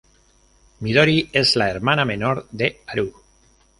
Midori es la hermana menor de Haru.